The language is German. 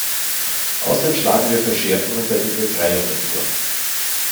Außerdem schlagen wir Verschärfungen bei den Befreiungen vor.